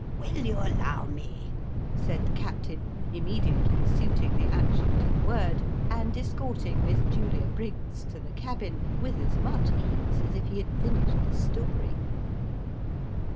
" Will you allow me ?" said the captain, immediately suiting the action to the word, and escorting Miss Julia Briggs to the cabin, with as 'much ease as if he had finished the story.